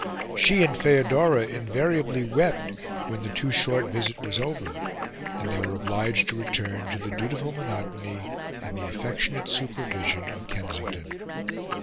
She and Feodora invariably wept when the too short visit was over, and they were obliged to return to the dutiful monotony, and the affectionate supervision of Kensington.